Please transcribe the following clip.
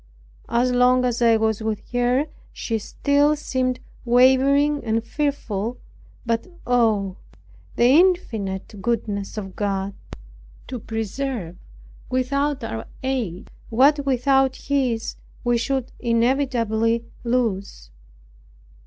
As long as I was with her she still seemed wavering and fearful; but oh, the infinite goodness of God, to preserve without our aid what without His we should inevitably lose!